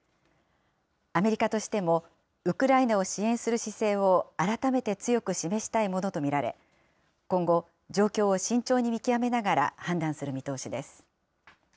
アメリカとしても、ウクライナを支援する姿勢を改めて強く示したいものと見られ、今後、状況を慎重に見極めながら判断する見通しです。